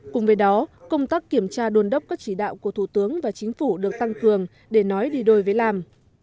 cùng với đó công tác kiểm tra đôn đốc các chỉ đạo của thủ tướng và chính phủ được tăng cường để nói đi đôi với làm